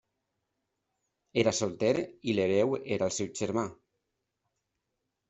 Era solter i l'hereu era el seu germà.